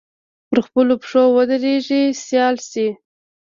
پر خپلو پښو ودرېږي سیال شي